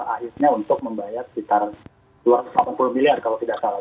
akhirnya untuk membayar sekitar dua ratus delapan puluh miliar kalau tidak salah